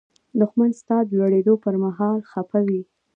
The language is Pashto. دښمن ستا د لوړېدو پر مهال خپه وي